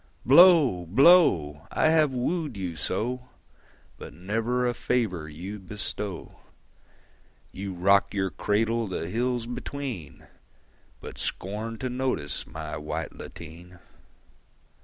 Blow, blow! I have wooed you so, But never a favour you bestow. You rock your cradle the hills between, But scorn to notice my white lateen.